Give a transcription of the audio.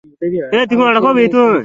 আমি খেয়ে নিয়েছি।